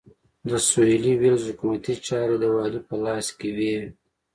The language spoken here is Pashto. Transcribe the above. د سوېلي ویلز حکومتي چارې د والي په لاس کې وې.